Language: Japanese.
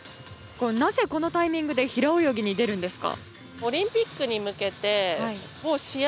なぜ、このタイミングで平泳ぎに出るんですか。